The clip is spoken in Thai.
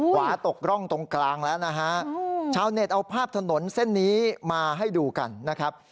ขวาตกร่องตรงกลางแล้วนะฮะชาวเน็ตเอาภาพถนนเส้นนี้มาให้ดูกันนะครับ